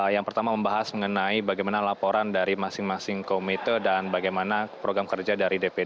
yang pertama membahas mengenai bagaimana laporan dari masing masing komite dan bagaimana program kerja dari dpd